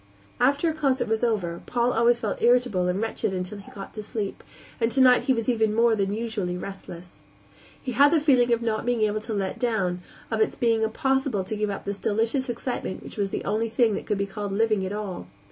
After a concert was over Paul was always irritable and wretched until he got to sleep, and tonight he was even more than usually restless. He had the feeling of not being able to let down, of its being impossible to give up this delicious excitement which was the only thing that could be called living at all.